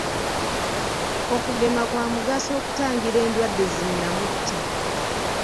Okugema kwa mugaso okutangira endwadde zi nnamutta.